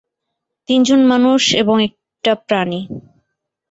তিনজন মানুষ এবং একটা প্রাণী।